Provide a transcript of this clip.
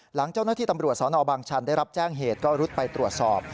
หลังเจ้าหน้าที่ตำรวจสนบางชันได้รับแจ้งเหตุก็รุดไปตรวจสอบ